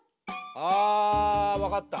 あ分かった。